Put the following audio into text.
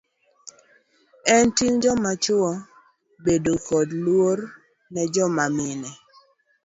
En ting' joma chuo bedo koda luor ne joma mine tee.